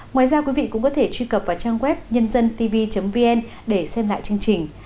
ngoài ra quý vị cũng có thể truy cập vào trang web nhândântv vn để xem lại chương trình